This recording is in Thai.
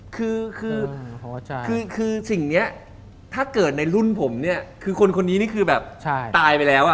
คือถ้าเกิดในรุ่นผมนี้คนเนี้ยคือแบบตายไปแล้วอะ